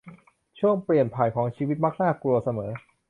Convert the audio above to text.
ช่วงเปลี่ยนผ่านของชีวิตมักน่ากลัวเสมอ